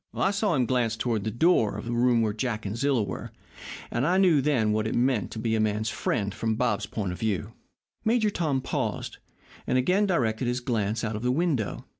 "I saw him glance toward the door of the room where Jack and Zilla were, and I knew then what it meant to be a man's friend from Bob's point of view." Major Tom paused, and again directed his glance out of the window.